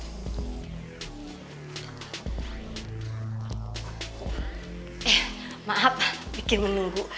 eh maaf bikin menunggu